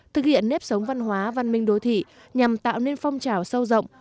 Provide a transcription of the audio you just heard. thực hiện nếp sống văn hóa văn minh đô thị nhằm tạo nên phong trào sâu rộng